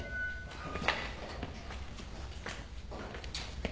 はい。